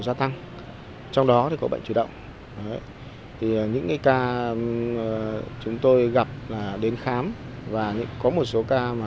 gia tăng trong đó thì có bệnh chủ động thì những cái ca chúng tôi gặp là đến khám và có một số ca mà